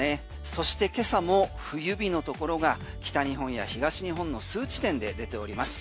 そして今朝も冬日のところが北日本や東日本の数地点で出ております。